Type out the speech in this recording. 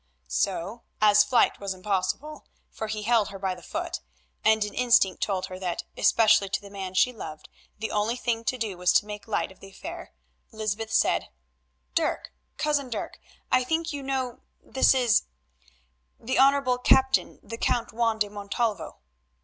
So, as flight was impossible, for he held her by the foot, and an instinct told her that, especially to the man she loved, the only thing to do was to make light of the affair, Lysbeth said— "Dirk, Cousin Dirk, I think you know—this is—the Honourable Captain the Count Juan de Montalvo."